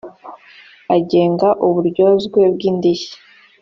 agenga uburyozwe bw indishyi